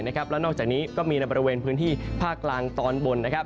และนอกจากนี้ก็มีในบริเวณพื้นที่ภาคกลางตอนบน